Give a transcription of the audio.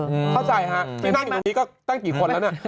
เข้าใจฮะที่นั่งอยู่ตรงนี้ก็ตั้งกี่คนแล้วเนี่ย